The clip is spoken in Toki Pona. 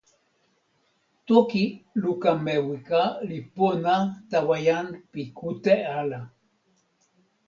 toki luka Mewika li pona tawa jan pi kute ala.